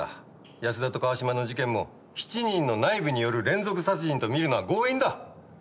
安田と川島の事件も７人の内部による連続殺人と見るのは強引だ。